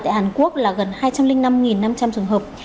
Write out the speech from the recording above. tại hàn quốc là gần hai trăm linh năm năm trăm linh trường hợp